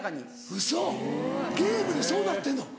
ウソゲームでそうなってんの。